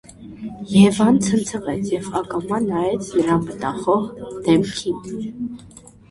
Եվան ցնցվեց և ակամա նայեց հոր մտախոհ դեմքին: